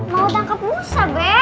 mau tangkap musa bek